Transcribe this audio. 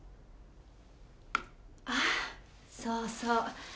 ああそうそう。